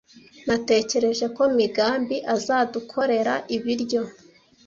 Natekereje ko Migambi azadukorera ibiryo.